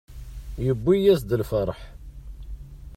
Yewwi-as-d lferḥ.